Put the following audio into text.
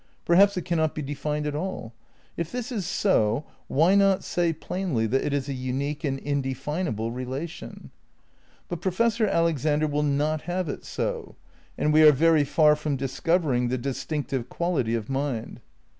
Perhaps it cannot be defined at all. If this is so, why not say plainly that it is a unique and indefinable relation? But Professor Alexander will not have it so ; and we are very far from discovering the distinctive quality of mind.